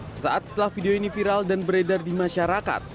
sesaat setelah video ini viral dan beredar di masyarakat